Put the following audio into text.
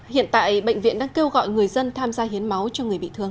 hiện tại bệnh viện đang kêu gọi người dân tham gia hiến máu cho người bị thương